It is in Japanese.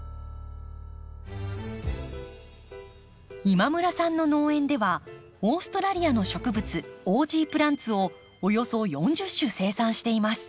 今村さんの農園ではオーストラリアの植物オージープランツをおよそ４０種生産しています。